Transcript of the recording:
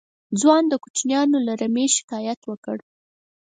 ځوان د کوچيانو له رمې شکايت وکړ.